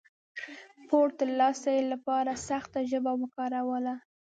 پور د ترلاسي لپاره سخته ژبه وکاروله.